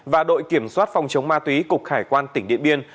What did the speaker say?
và đội kiểm soát phòng chống ma túy cục hải quan tỉnh điện biên